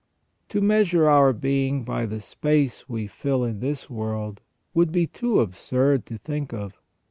To measure our being by the space we fill in this world would be too absurd to think of.